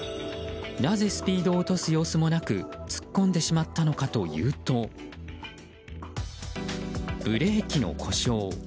なぜスピードを落とす様子もなく突っ込んでしまったのかというとブレーキの故障。